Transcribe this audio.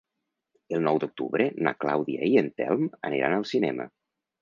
El nou d'octubre na Clàudia i en Telm aniran al cinema.